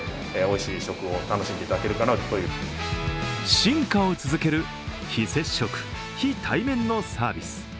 進化を続ける非接触、非対面のサービス。